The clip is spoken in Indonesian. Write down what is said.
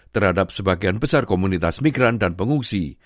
terhadap sebagian besar komunitas migran dan pengungsi